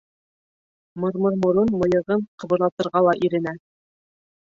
Мырмырморон мыйығын ҡыбырлатырға ла иренә.